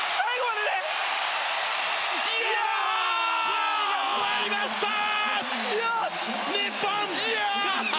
試合が終わりました！